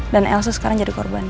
dan elsa sekarang jadi korbannya